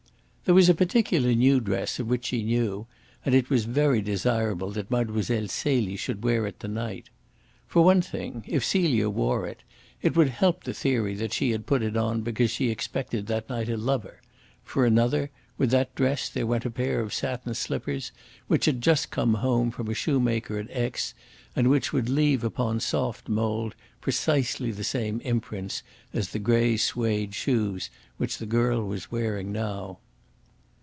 There was a particular new dress of which she knew, and it was very desirable that Mlle. Celie should wear it to night. For one thing, if Celia wore it, it would help the theory that she had put it on because she expected that night a lover; for another, with that dress there went a pair of satin slippers which had just come home from a shoemaker at Aix, and which would leave upon soft mould precisely the same imprints as the grey suede shoes which the girl was wearing now.